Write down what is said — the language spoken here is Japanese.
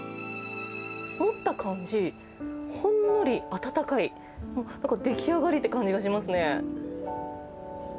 持った感じ、ほんのり温かい、出来上がりって感じがしますね。